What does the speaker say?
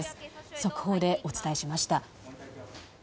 速報でお伝えしました。